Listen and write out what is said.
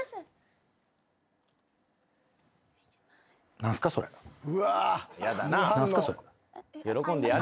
何すかそれ？